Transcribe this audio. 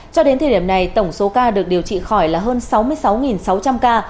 cho đến thời điểm này tổng số ca được điều trị khỏi là hơn sáu mươi sáu sáu trăm linh ca